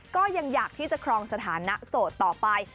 ก็ยังอยากที่จะครองสถานะโสดต่อไป